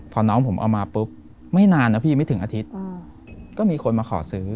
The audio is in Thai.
พอน้องผมเอามาปุ๊บไม่นานนะพี่ไม่ถึงอาทิตย์ก็มีคนมาขอซื้อ